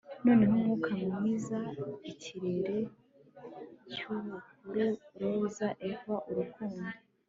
Noneho umwuka mwiza ikirere cyubururu roza Eva urukundo